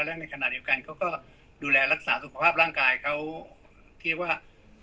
และในขณะเดียวกันเขาก็ดูแลรักษาสุขภาพร่างกายเขาที่ว่า